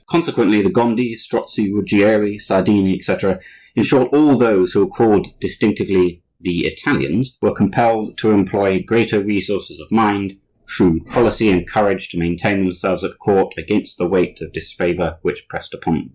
Consequently, the Gondi, Strozzi, Ruggieri, Sardini, etc.,—in short, all those who were called distinctively "the Italians,"—were compelled to employ greater resources of mind, shrewd policy, and courage, to maintain themselves at court against the weight of disfavor which pressed upon them.